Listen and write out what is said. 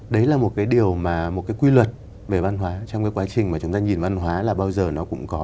đấy là một cái điều mà một cái quy luật về văn hóa trong cái quá trình mà chúng ta nhìn văn hóa là bao giờ nó cũng có